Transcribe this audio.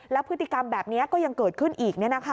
แล้วพฤติกรรมแบบนี้ก็ยังเกิดขึ้นอีก